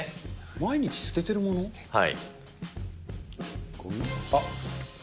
毎日捨ててるもの？あっ。